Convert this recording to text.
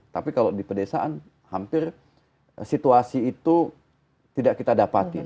tapi kalau di pedesaan hampir situasi itu tidak kita dapatin